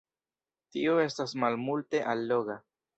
Tio estas malmulte alloga.